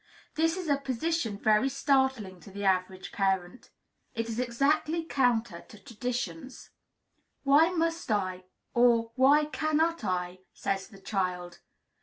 This is a position very startling to the average parent. It is exactly counter to traditions. "Why must I?" or "Why cannot I?" says the child.